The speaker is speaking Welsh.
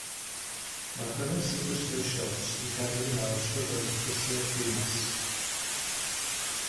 Mae dynes sy'n gwisgo siorts yn cerdded i lawr strydoedd prysur dinas.